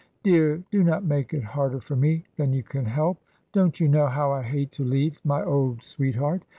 "Dear, do not make it harder for me than you can help. Don't you know how I hate to leave my old Sweetheart?